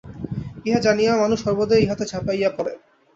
ইহা জানিয়াও মানুষ সর্বদাই ইহাতে ঝাঁপাইয়া পড়ে।